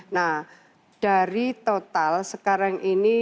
nah dari total sekarang ini